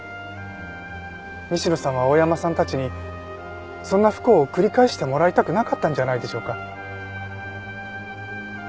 西野さんは大山さんたちにそんな不幸を繰り返してもらいたくなかったんじゃないでしょうか。